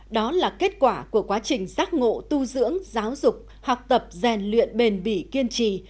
đó là kết quả của quá trình giác ngộ tu dưỡng giáo dục học tập rèn luyện bền bỉ kiên trì